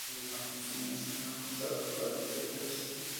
Dispone de marquesinas en ambos lados para los viajeros.